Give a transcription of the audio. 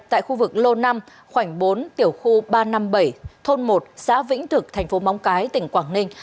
tại khu vực lô năm khoảnh bốn tiểu khu ba trăm năm mươi bảy thôn một xã vĩnh thực thành phố móng cái tỉnh quảng ninh